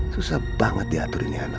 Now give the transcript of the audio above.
susah banget diaturin ini anak